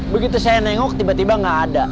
begitu saya nengok tiba tiba nggak ada